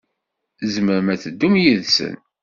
Tzemrem ad teddum yid-sen.